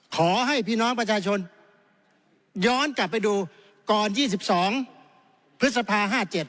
ขอให้พี่น้องประชาชนย้อนกลับไปดูก่อน๒๒พฤษภา๕๗